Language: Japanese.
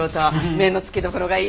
目の付けどころがいい。